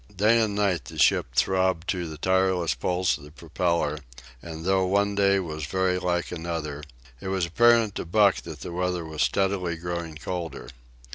Day and night the ship throbbed to the tireless pulse of the propeller, and though one day was very like another, it was apparent to Buck that the weather was steadily growing colder.